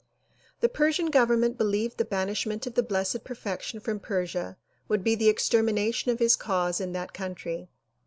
The Persian government believed the banishment of the Blessed Perfection from Persia would be the extermination of his cause in that country.